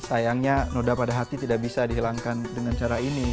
sayangnya noda pada hati tidak bisa dihilangkan dengan cara ini